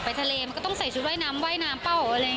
ไปทะเลมันก็ต้องใส่ชุดว่ายน้ำวทำเฝ้าอะไรเดี๋ยว